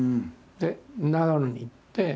で長野に行って。